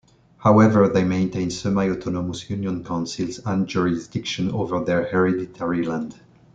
However, they maintain semi-autonomous union councils and jurisdiction over their hereditary land.